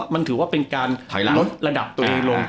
มันถือว่าเป็นการลดระดับตัวเองลง